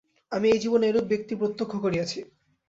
আমি এই জীবনে এরূপ ব্যক্তি প্রত্যক্ষ করিয়াছি।